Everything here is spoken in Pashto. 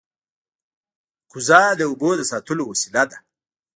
کوزه د اوبو د ساتلو وسیله ده